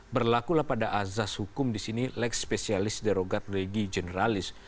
berlakulah pada azas hukum di sini leg spesialis derogat legi generalis